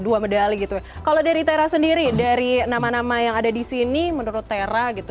dua medali gitu ya kalau dari tera sendiri dari nama nama yang ada di sini menurut tera gitu